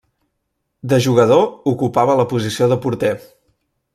De jugador, ocupava la posició de porter.